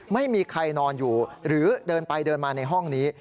ไม่มีใครนอนอยู่หรือเดินไปเดินมาในห้องนี้